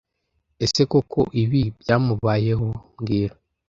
Ese koko ibi byamubayeho mbwira